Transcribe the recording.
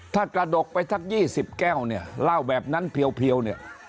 ถ้ากระดกไปทัก๒๐แก้วเล่าแบบนั้นเพียว